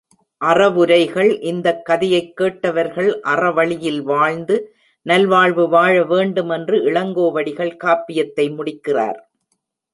அறவுரைகள் இந்தக் கதையைக் கேட்டவர்கள் அறவழியில் வாழ்ந்து நல்வாழ்வு வாழ வேண்டும் என்று இளங் கோவடிகள் காப்பியத்தை முடிக்கிறார்.